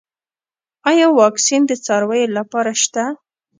آیا واکسین د څارویو لپاره شته؟